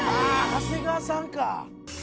長谷川さんか。